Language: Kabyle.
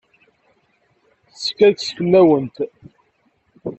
Teskerkes fell-awent.